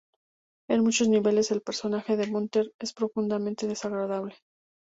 En muchos niveles, el personaje de Bunter es profundamente desagradable.